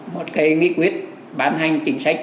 một cái nghị quyết bán hành chính sách